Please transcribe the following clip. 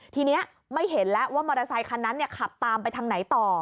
ทีนี้ไม่เห็นแล้วว่ามอเตอร์ไซคันนั้นขับตามไปทางไหนต่อ